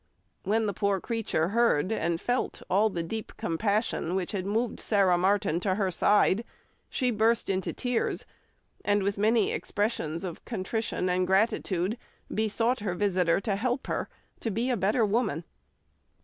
When the poor creature heard and felt all the deep compassion which had moved Sarah Martin to her side, she burst into tears, and with many expressions of contrition and gratitude besought her visitor to help her to be a better woman.